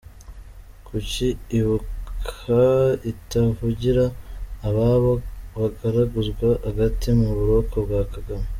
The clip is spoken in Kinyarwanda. Kuki Ibuka itavugira ” ababo” bagaraguzwa agati mu buroko bwa Kagame?